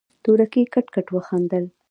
تورکي کټ کټ وخندل.